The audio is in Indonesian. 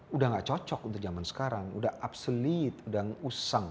sudah enggak cocok untuk zaman sekarang sudah obsolete sudah usang